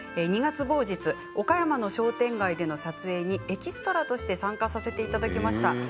２月某日岡山の商店街での撮影にエキストラとして参加させていただきました。